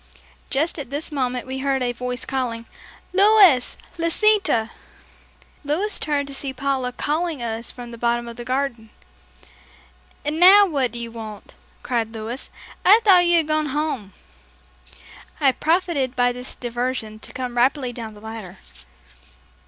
Just at this moment we heard a voice calling, "Louis! Lisita!" Louis turned to see Paula calling us from the bottom of the garden. "And now what do you want?" cried Louis. "I thought you had gone home." I profited by this diversion to come rapidly down the ladder.